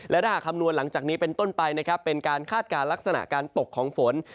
และถ้าหากคำนวณหลังจากนี้เป็นต้นไปนะครับเป็นการคาดการณ์ลักษณะการตกของฝน